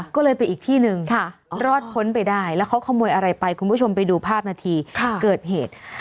ก็เลยไปอีกที่หนึ่งรอดพ้นไปได้แล้วเขาขโมยอะไรไปคุณผู้ชมไปดูภาพนาทีเกิดเหตุ